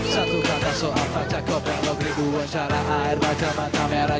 satu kata soal patah kopel beribu wawancara air mata mata merah